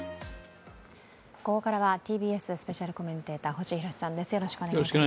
ここからはＴＢＳスペシャルコメンテーター、星浩さんです。